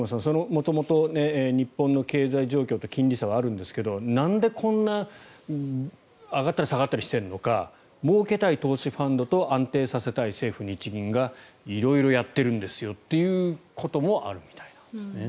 元々、日本の経済状況と金利差はあるんですがなんでこんなに上がったり下がったりしているのかもうけたい投資ファンドと安定させたい政府・日銀が色々やっているんですよということもあるみたいなんですね。